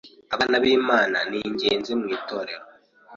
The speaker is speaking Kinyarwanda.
abana b,imana ningenzi mw,itorero